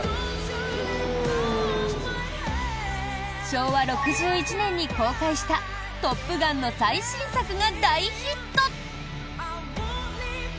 昭和６１年に公開した「トップガン」の最新作が大ヒット！